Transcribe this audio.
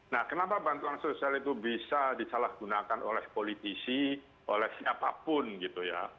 nah kenapa bantuan sosial itu bisa disalahgunakan oleh politisi oleh siapapun gitu ya